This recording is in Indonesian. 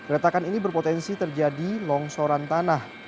retakan ini berpotensi terjadi longsoran tanah